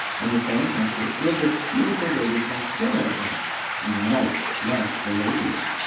In the same country lived a beautiful lady called Dorigen. And the knight loved the lady.